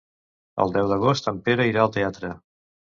El deu d'agost en Pere irà al teatre.